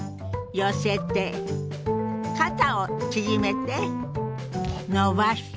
肩を縮めて伸ばして。